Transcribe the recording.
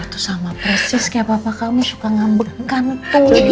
tapi kalau berbagi waktu